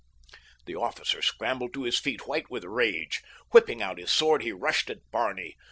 The officer scrambled to his feet, white with rage. Whipping out his sword he rushed at Barney.